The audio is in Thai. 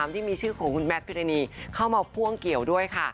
ที่มีชื่อของคุณแมทพิรณีเข้ามาพ่วงเกี่ยวด้วยค่ะ